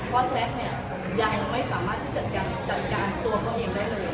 แซ็กเนี่ยยังไม่สามารถที่จะจัดการตัวเขาเองได้เลย